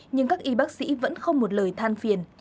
nhưng các y bác sĩ vẫn không một lời than phiền